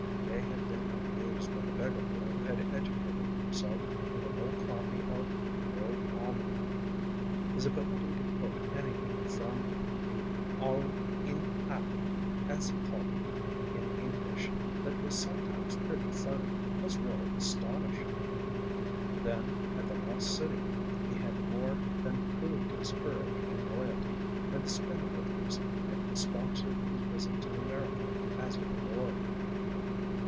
They had been amused by the beggar boy who had educated himself with an old copy of The World Almanac. His ability to quote anything from the "Alm in ack," as he called it, in English that was sometimes pretty funny, was really astonishing. Then, at the Lost City, he had more than proved his courage and loyalty, and the Spindrifters had sponsored his visit to America as a reward.